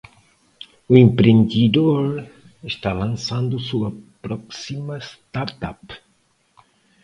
O empreendedor está lançando sua próxima startup.